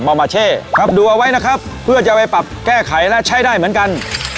อมาเช่ครับดูเอาไว้นะครับเพื่อจะไปปรับแก้ไขและใช้ได้เหมือนกัน